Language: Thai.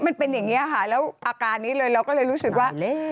มันเป็นอย่างนี้ค่ะแล้วอาการนี้เลยเราก็เลยรู้สึกว่า